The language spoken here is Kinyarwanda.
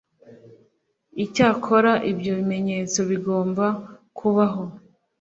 icyakora ibyo bimenyetso bigomba kubaho.